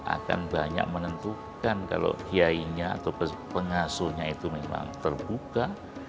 akan banyak menentukan kalau kiainya atau pengasuhnya itu memang terbuka